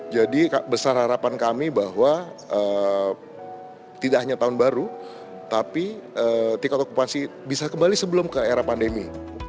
jadi besar harapan kami bahwa tidak hanya tahun baru tapi tingkat okupasi bisa kembali sebelum ke era pandemi